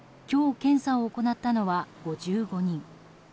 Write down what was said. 今日、検査を行ったのは５５人。